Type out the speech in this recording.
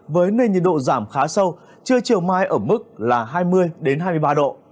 với nền nhiệt độ giảm khá sâu chưa chiều mai ở mức là hai mươi hai mươi ba độ